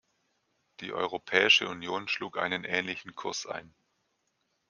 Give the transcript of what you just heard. Die Europäische Union schlug einen ähnlichen Kurs ein.